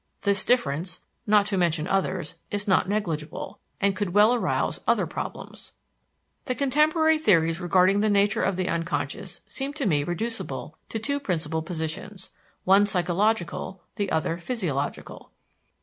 This difference, not to mention others, is not negligible, and could well arouse other problems. The contemporary theories regarding the nature of the unconscious seem to me reducible to two principal positions one psychological, the other physiological.